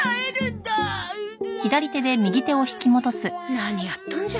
何やっとんじゃ。